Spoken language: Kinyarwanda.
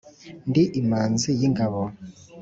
Ndi Imanzi y’ ingabo